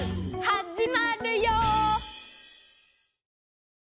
はじまるよ！